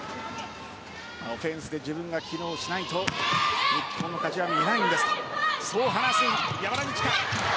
オフェンスで自分が機能しないと日本の勝ちは見えないんですとそう話す、山田二千華。